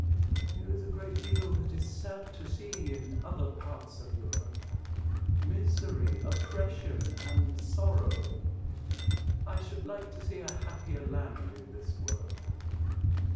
There is a great deal that is sad to see in other parts of Europe — misery, oppression, and sorrow. I should like to see a happier land in this world.